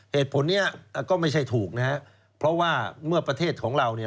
เหตุผลนี้ก็ไม่ใช่ถูกนะครับเพราะว่าเมื่อประเทศของเราเนี่ย